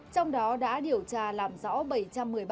trong đó đã điều tra làm rõ